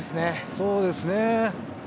そうですね。